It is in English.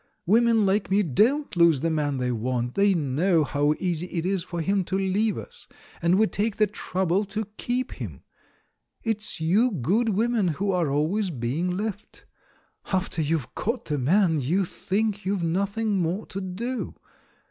Women like me don't lose the man they want — we know how easy it is for him to leave us, and we take the trouble to keep him. It's you good women who are always being left; after you've caught the man, you think you've nothing more to do.